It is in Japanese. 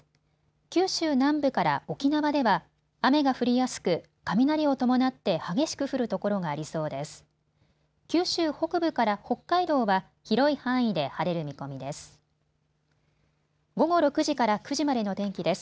九州南部から沖縄では雨が降りやすく雷を伴って激しく降る所がありそうです。